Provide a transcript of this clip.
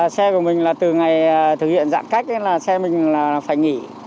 xe của mình là từ ngày thực hiện giãn cách là xe mình phải nghỉ